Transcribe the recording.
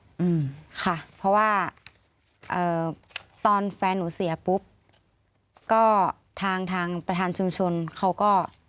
อืมค่ะเพราะว่าเอ่อตอนแฟนหนูเสียปุ๊บก็ทางทางประธานชุมชนเขาก็